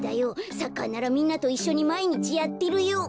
サッカーならみんなといっしょにまいにちやってるよ。